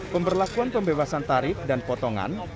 pemberlakuan pembebasan tarif dan potongan